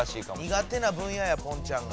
にが手な分野やポンちゃんが。